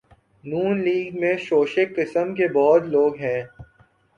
ن لیگ میں شوشے قسم کے بہت لوگ ہیں۔